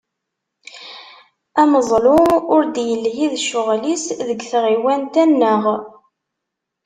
Ameẓlu ur d-yelhi d ccɣel-is deg tɣiwant-a-nneɣ.